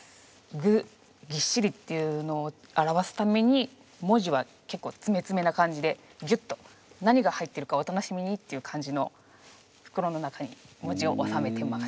具ぎっしりっていうのを表すために文字は結構つめつめな感じでぎゅっと何が入ってるかお楽しみにっていう感じの袋の中に文字をおさめてます。